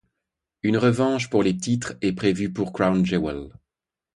Une revanche pour les titres est prévu pour Crown Jewel.